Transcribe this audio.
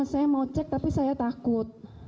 saya mau cek tapi saya takut